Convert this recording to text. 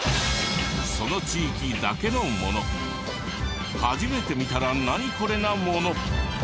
その地域だけのもの初めて見たら「ナニコレ？」なもの